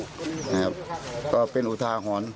เราคราวนี้ครับก็เป็นอุทารหอล